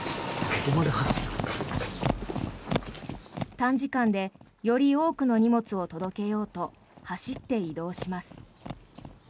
短時間でより多くの荷物を届けようと走って移動します。